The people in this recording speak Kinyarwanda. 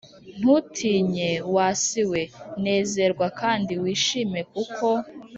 Ntutinye wa si we nezerwa kandi wishime kuko